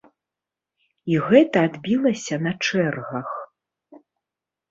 І гэта адбілася на чэргах.